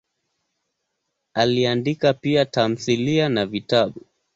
Aliandika pia tamthilia na vitabu.